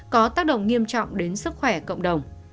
có tác động nghiêm trọng đến sức khỏe cộng đồng